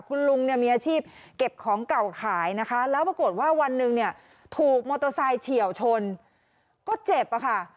คุณลุงเนี่ยมีอาชีพเก็บของเก่าขายนะคะแล้วปรากฏว่าวันหนึ่งเนี่ยถูกมอเตอร์ไซค์เฉียวชนก็เจ็บอะค่ะ